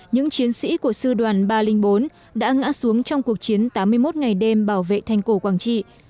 những chiến sĩ của sư đoàn ba trăm linh bốn đã ngã xuống trong cuộc chiến tám mươi một ngày đêm bảo vệ thành cổ quảng trị